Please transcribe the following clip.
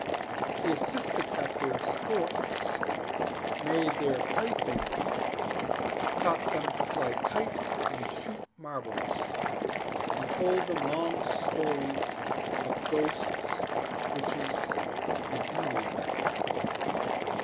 He assisted at their sports, made their playthings, taught them to fly kites and shoot marbles, and told them long stories of ghosts, witches, and Indians.